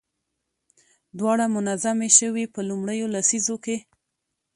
دواړه منظمې شوې. په لومړيو لسيزو کې